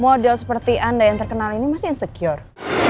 model seperti anda yang terkenal ini masih insecure